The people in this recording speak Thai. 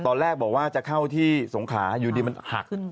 ตอนแรกบอกว่าจะเข้าที่สงขาอยู่ดีมันหัก